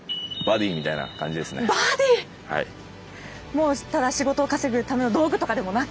もうただ仕事を稼ぐための道具とかでもなく。